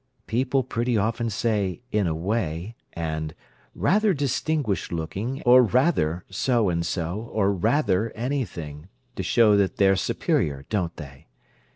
"People pretty often say 'in a way' and 'rather distinguished looking,' or 'rather' so and so, or 'rather' anything, to show that they're superior don't they?